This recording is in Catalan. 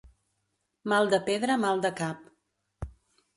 Mal de pedra, mal de cap.